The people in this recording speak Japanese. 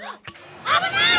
危ない！